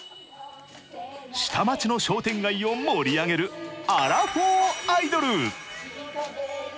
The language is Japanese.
下町の商店街を盛り上げるアラフォーアイドル。